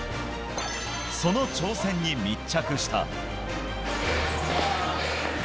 その挑戦に密着した。